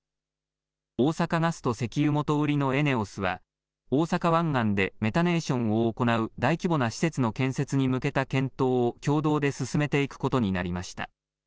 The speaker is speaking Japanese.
大阪ガスと石油元売りのＥＮＥＯＳは大阪湾岸でメタネーションを行う大規模な施設の建設に向けた検討を共同で進めていくことになりました。